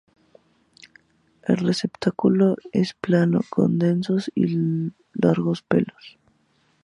El receptáculo es plano, con densos y largos pelos.